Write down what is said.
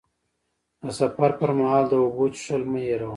د سفر پر مهال د اوبو څښل مه هېروه.